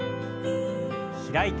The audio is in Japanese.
開いて。